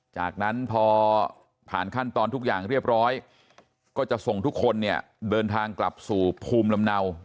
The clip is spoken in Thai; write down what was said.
จากนั้นพอผ่านขั้นตอนทุกอย่างเรียบร้อยก็จะส่งทุกคนเนี่ยเดินทางกลับสู่ภูมิลำเนา